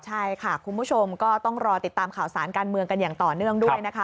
ใช่ค่ะคุณผู้ชมก็ต้องรอติดตามข่าวสารการเมืองกันอย่างต่อเนื่องด้วยนะคะ